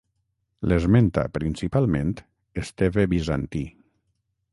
L'esmenta principalment Esteve Bizantí.